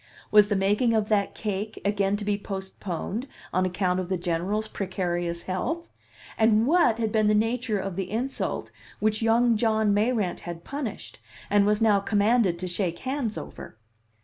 Was the making of that cake again to be postponed on account of the General's precarious health? And what had been the nature of the insult which young John Mayrant had punished and was now commanded to shake hands over?